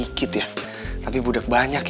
sedikit ya tapi budak banyak ya